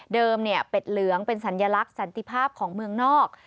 เป็ดเหลืองเป็นสัญลักษณ์สันติภาพของเมืองนอก